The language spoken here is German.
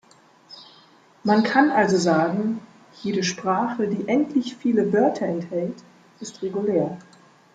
Man kann also sagen: "Jede Sprache, die endlich viele Wörter enthält, ist regulär.